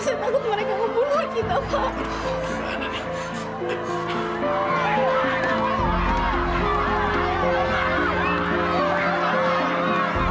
saya takut mereka membunuh kita